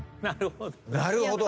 なるほどね。